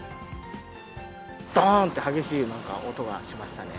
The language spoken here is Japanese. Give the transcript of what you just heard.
どーんって、激しい音がしましたね。